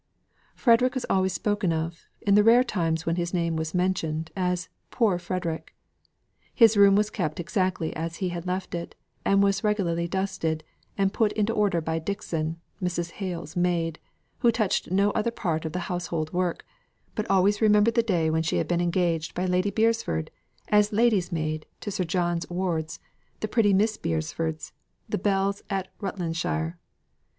Frederick was always spoken of, in the rare times when his name was mentioned, as "Poor Frederick." His room was kept exactly as he had left it; and was regularly dusted, and put into order by Dixon, Mrs. Hale's maid, who touched no other part of the household work, but always remembered the day when she had been engaged by Lady Beresford as ladies' maid to Sir John's wards, the pretty Miss Beresfords, the belles of Rutlandshire.